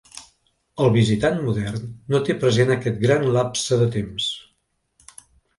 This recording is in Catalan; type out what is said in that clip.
El visitant modern no té present aquest gran lapse de temps.